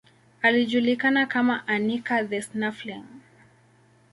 Alijulikana kama Anica the Snuffling.